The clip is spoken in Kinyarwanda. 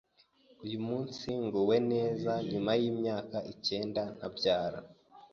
Uyu munsi nguwe neza nyuma y’imyaka icyenda ntabyar